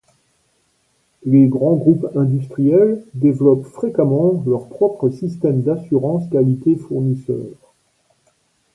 Les grands groupes industriels développent fréquemment leur propre système d'assurance qualité fournisseur.